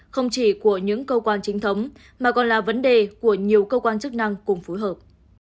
không chỉ của những cơ quan chính thống mà còn là vấn đề của nhiều cơ quan chức năng cùng phối hợp